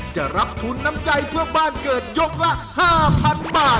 จะรับทุนน้ำใจเพื่อบ้านเกิดยกละ๕๐๐๐บาท